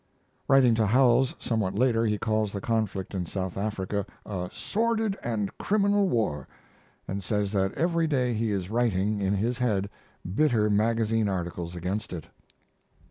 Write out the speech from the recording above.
Writing to Howells somewhat later, he calls the conflict in South Africa, a "sordid and criminal war," and says that every day he is writing (in his head) bitter magazine articles against it.